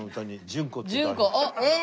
え！